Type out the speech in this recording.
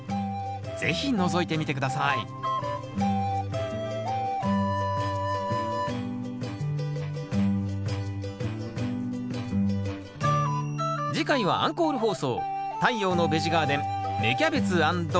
是非のぞいてみて下さい次回はアンコール放送